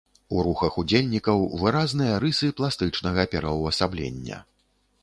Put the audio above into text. У рухах удзельнікаў выразныя рысы пластычнага пераўвасаблення.